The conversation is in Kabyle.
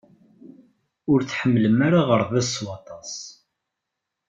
Ur tḥemmlemt ara aɣerbaz s waṭas.